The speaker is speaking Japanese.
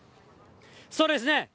そうですね。